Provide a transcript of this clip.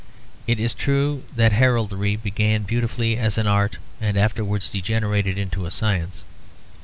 It is true that heraldry began beautifully as an art and afterwards degenerated into a science.